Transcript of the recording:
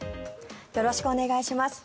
よろしくお願いします。